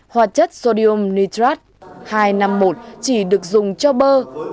hoạt chất sodium nitrat hai trăm năm mươi một chỉ được dùng cho bơ